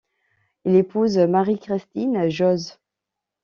Il épouse Marie-Christine Jauze.